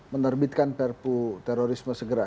menerbitkan perpu terorisme segera